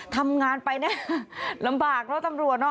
ทำงานไปแน่ลำบากเนอะตำรวจเนอ